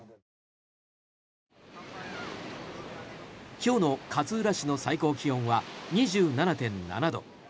今日の勝浦市の最高気温は２７．７度。